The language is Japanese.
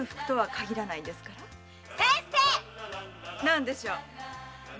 何でしょう？